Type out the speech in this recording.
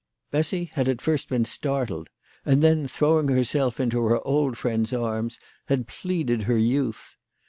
Bessy had at first been startled, and, throwing herself into her old friend Y arms, had pleaded her youth.